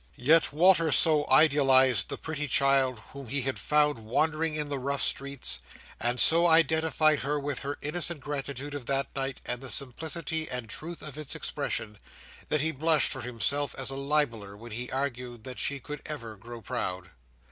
Yet Walter so idealised the pretty child whom he had found wandering in the rough streets, and so identified her with her innocent gratitude of that night and the simplicity and truth of its expression, that he blushed for himself as a libeller when he argued that she could ever grow proud.